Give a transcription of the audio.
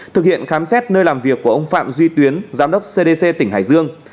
thực hiện khám xét nơi làm việc của ông phạm duy tuyến giám đốc cdc tỉnh hải dương